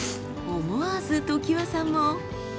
思わず常盤さんも。